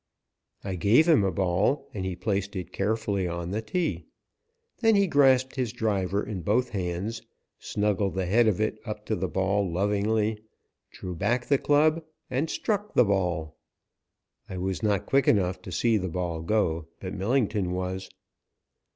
I gave him a ball and he placed it carefully on the tee. Then he grasped his driver in both hands, snuggled the head of it up to the ball lovingly, drew back the club and struck the ball. I was not quick enough to see the ball go, but Millington was.